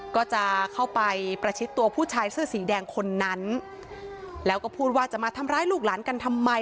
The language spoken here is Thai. ก็จะเข้าไปประชิดตัวผู้ชายเสื้อสีแดงคนนั้นแล้วก็พูดว่าจะมาทำร้ายลูกหลานกันทำไม